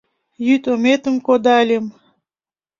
Йӱд ометым кодальым -